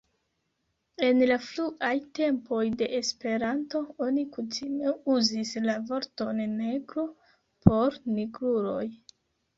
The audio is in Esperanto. En la fruaj tempoj de Esperanto, oni kutime uzis la vorton negro por nigruloj.